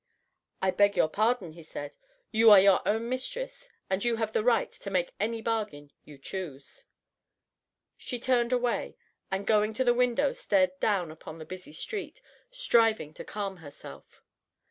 "I beg your pardon," he said. "You are your own mistress, and you have the right to make any bargain you choose." She turned away, and, going to the window, stared down upon the busy street, striving to calm herself.